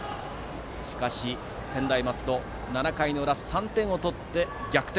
しかし、専大松戸７回の裏、３点を取って逆転。